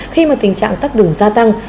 khi mà tình trạng tắt đường gia tăng